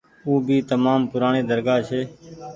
او ڀي تمآم پورآڻي درگآه ڇي۔